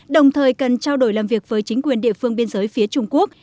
đồng thời cần trao đổi làm việc với chính quyền địa phương biên giới phía trung quốc